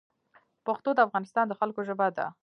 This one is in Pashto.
پښتو د افغانستان د خلګو ژبه ده